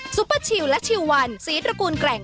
ซุปเปอร์ชิลและชิลวันสีตระกูลแกร่ง